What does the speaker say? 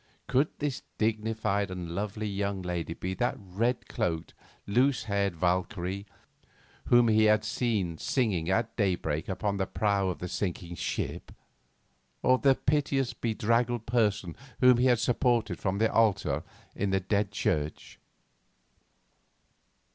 Could this dignified and lovely young lady be that red cloaked, loose haired Valkyrie whom he had seen singing at daybreak upon the prow of the sinking ship, or the piteous bedraggled person whom he had supported from the altar in the Dead Church?